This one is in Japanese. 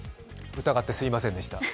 疑ってすみませんでした。